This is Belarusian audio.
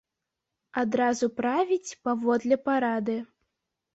Адразу правіць паводле парады.